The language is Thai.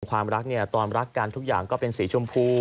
ความรักเนี่ยตอนรักกันทุกอย่างก็เป็นสีชมพู